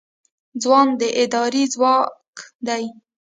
ځوانان د ادارې ځواک دی